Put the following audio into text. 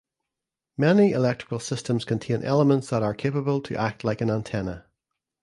Many electrical systems contain elements that are capable to act like an antenna.